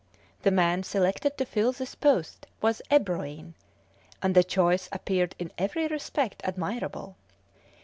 The man selected to fill this post was Ebroin, and the choice appeared in every respect admirable.